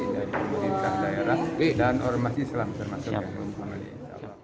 dari pemerintah daerah dan ormas islam termasuk yang memahami